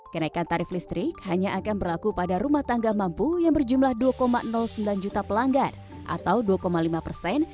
kenaikan tarif listrik hanya akan berlaku pada rumah tangga mampu yang berjumlah dua sembilan juta pelanggan atau dua lima persen